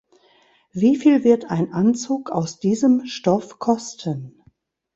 Wieviel wird ein Anzug aus diesem Stoff kosten?